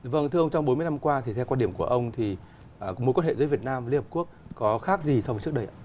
vâng thưa ông trong bốn mươi năm qua thì theo quan điểm của ông thì mối quan hệ giữa việt nam với liên hợp quốc có khác gì so với trước đây ạ